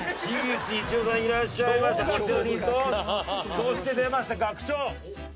そして出ました学長。